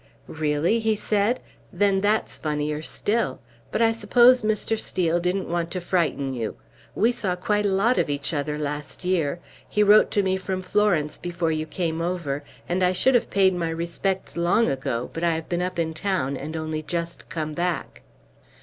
"Really?" he said. "Then that's funnier still; but I suppose Mr. Steel didn't want to frighten you. We saw quite a lot of each other last year; he wrote to me from Florence before you came over; and I should have paid my respects long ago, but I have been up in town, and only just come back."